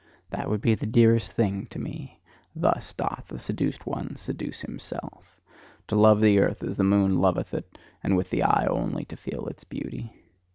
That would be the dearest thing to me" thus doth the seduced one seduce himself, "to love the earth as the moon loveth it, and with the eye only to feel its beauty.